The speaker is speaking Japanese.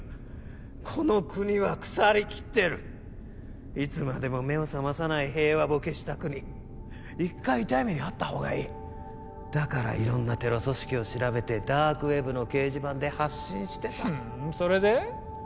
この国は腐りきってるいつまでも目を覚まさない平和ボケした国一回痛い目に遭った方がいいだから色んなテロ組織を調べてダークウェブの掲示板で発信してたふんそれで？